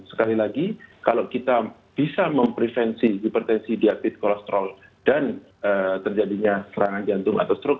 sekali lagi kalau kita bisa memprevensi hipertensi diaktif kolesterol dan terjadinya serangan jantung atau stroke